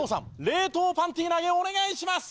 冷凍パンティ投げお願いします！